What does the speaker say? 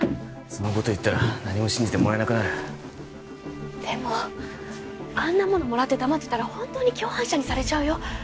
そんなこと言ったら何も信じてもらえなくなるでもあんなものもらって黙ってたらホントに共犯者にされちゃうよ